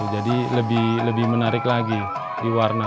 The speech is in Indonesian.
jadi lebih menarik lagi di warna